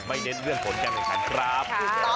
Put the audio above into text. เน้นเรื่องผลการแข่งขันครับ